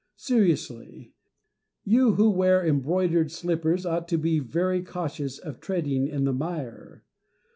Seriously, you who wear embroidered slippers ought to be very cautious of treading in the mire.